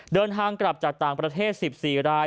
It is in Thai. เดินทางกลับจากต่างประเทศ๑๔ราย